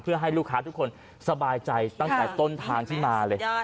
เพื่อให้ลูกค้าทุกคนสบายใจตั้งแต่ต้นทางที่มาเลย